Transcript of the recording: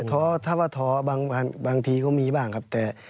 ท้อถ้าว่าท้อบางทีก็มีบ้างครับ